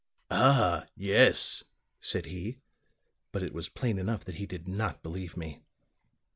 "'Ah, yes,' said he. But it was plain enough that he did not believe me.